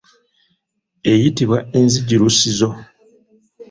Eyitibwa enzijulusizo.